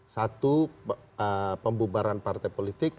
satu pembubaran partai politik